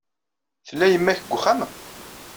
Tella yemma-k deg wexxam?